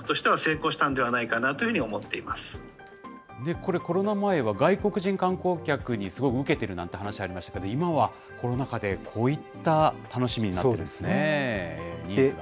これ、コロナ前は外国人観光客にすごいうけてるなんて話がありましたけど、今はコロナ禍でこういった楽しみになってるんですね。